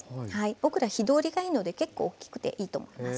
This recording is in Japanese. オクラ火通りがいいので結構大きくていいと思います。